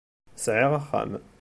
Sɛiɣ axxam.